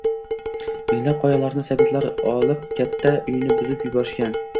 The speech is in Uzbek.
Minglab qo’ylarini sovetlar olib, katta uyini buzib yuborishgan.